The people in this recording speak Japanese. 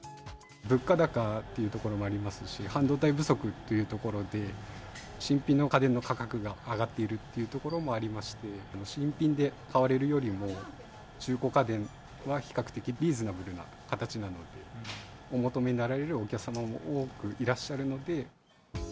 物価高というところもありますし、半導体不足っていうところで、新品の家電の価格が上がっているっていうところもありまして、新品で買われるよりも中古家電は比較的リーズナブルな形なので、お求めになられるお客様も多くいらっしゃるので。